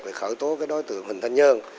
và khởi tố đối tượng huỳnh thanh nhơn